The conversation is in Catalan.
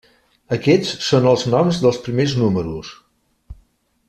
Aquests són els noms dels primers números.